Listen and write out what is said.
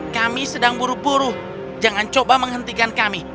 kami sedang buru buru jangan coba menghentikan kami